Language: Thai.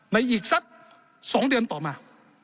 อีกสัก๒เดือนต่อมา